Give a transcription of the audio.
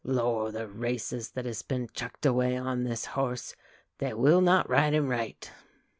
Lor', the races that has been chucked away on this horse. They will not ride him right."